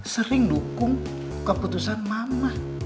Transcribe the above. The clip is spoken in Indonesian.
sering dukung keputusan mama